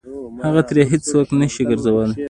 هغه ترې هېڅ څوک نه شي ګرځولی.